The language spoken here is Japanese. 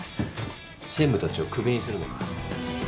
専務たちをクビにするのか？